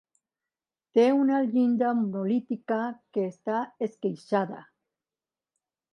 Té una llinda monolítica que està esqueixada.